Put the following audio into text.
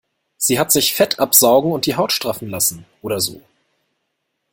Sie hat sich Fett absaugen und die Haut straffen lassen oder so.